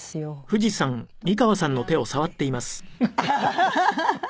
ハハハハ。